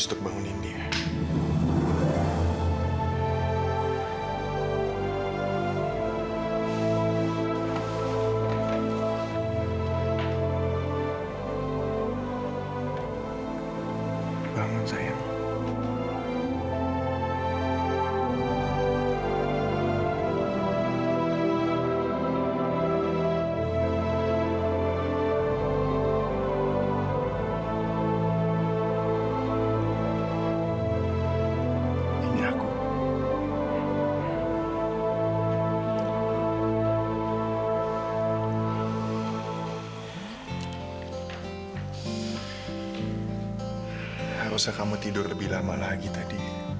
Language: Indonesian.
harusnya kamu tidur lebih lama lagi tadi